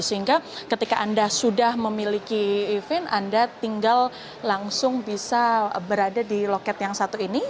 sehingga ketika anda sudah memiliki event anda tinggal langsung bisa berada di loket yang satu ini